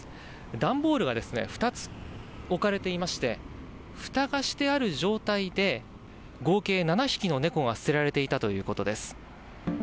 段ボールが２つ置かれていまして、ふたがしてある状態で、合計７匹の猫が捨てられていたということです。